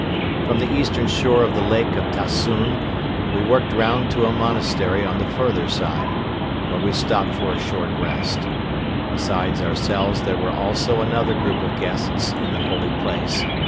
From the eastern shore of the Lake of Tassoun we worked round to a monastery on the further side, where we stopped for a short rest. Besides ourselves there was also another group of guests in the holy place.